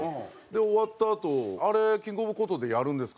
終わったあと「あれキングオブコントでやるんですか？」